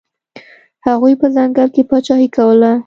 هغوی په ځنګل کې پاچاهي کوله.